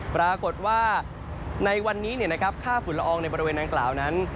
ปรากฏว่าในวันนี้ค่าฝุ่นละอองในบริเวณดังกล่าวนั้น